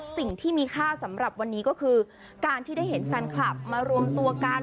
สิ่งที่มีค่าสำหรับวันนี้ก็คือการที่ได้เห็นแฟนคลับมารวมตัวกัน